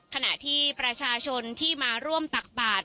ขณะที่ประชาชนที่มาร่วมตักบาท